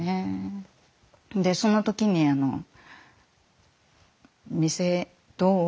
でその時にあの「店どう？